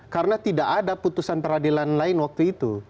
karena tidak ada putusan peradilan lain waktu itu